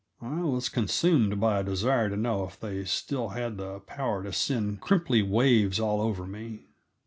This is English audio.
I was consumed by a desire to know if they still had the power to send crimply waves all over me.